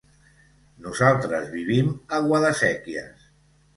Nosaltres vivim a Guadasséquies.